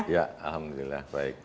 ya alhamdulillah baik